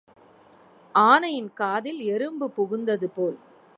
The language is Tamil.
ஆனையின் காதில் எறும்பு புகுந்தது போல.